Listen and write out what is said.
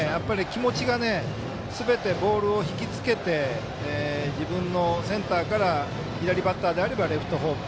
気持ちがすべてボールを引きつけて自分のセンターから左バッターであればレフト方向